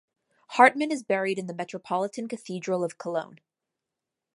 Hartmann is buried in the metropolitan cathedral of Cologne.